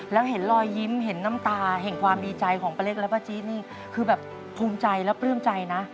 แล้วเห็นรอยยิ้มเห็นน้ำตาแห่งความดีใจของป้าเล็กและป้าจี๊ดนี่คือแบบภูมิใจและปลื้มใจนะ